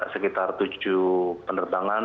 sekitar tujuh penerbangan